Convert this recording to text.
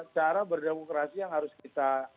cara berdemokrasi yang harus kita